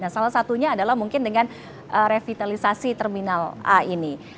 salah satunya adalah mungkin dengan revitalisasi terminal ini